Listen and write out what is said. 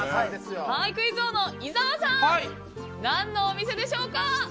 クイズ王の伊沢さん何のお店でしょうか。